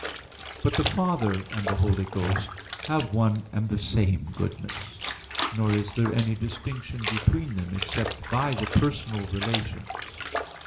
But the Father and the Holy Ghost have one and the same goodness. Nor is there any distinction between them except by the personal relations.